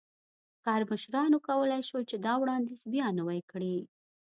کارمشرانو کولای شول چې دا وړاندیز بیا نوی کړي.